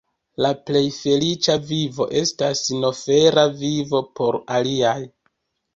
La plej feliĉa vivo estas sinofera vivo por aliaj.